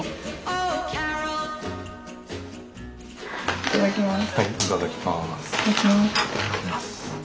はいいただきます。